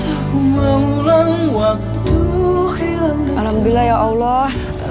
alhamdulillah ya allah